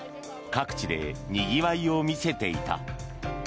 各地でにぎわいを見せていた。